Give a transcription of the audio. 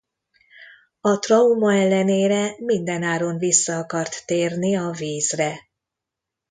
A trauma ellenére mindenáron vissza akart térni a vízre.